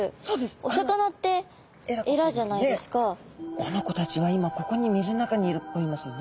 この子たちは今ここに水の中にいますよね。